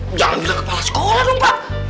oh jangan bilang kepala sekolah dong pak